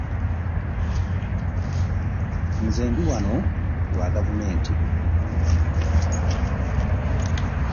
Nze ndiwo wano ku lwa gavumenti.